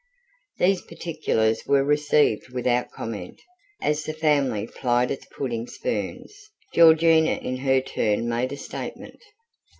These particulars were received without comment. As the family plied its pudding spoons, Georgina in her turn made a statement.